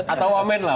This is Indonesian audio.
atau women lah